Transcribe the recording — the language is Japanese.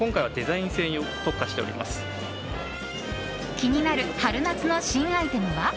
気になる春夏の新アイテムは？